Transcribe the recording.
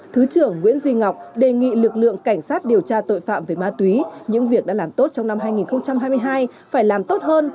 thứ trưởng nguyễn duy ngọc đề nghị lực lượng cảnh sát điều tra tội phạm về ma túy những việc đã làm tốt trong năm hai nghìn hai mươi hai phải làm tốt hơn